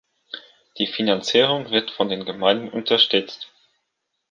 Die Finanzierung wird von den Gemeinden unterstützt.